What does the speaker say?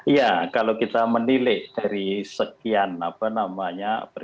iya kalau kita menilai dari sekian pertemuan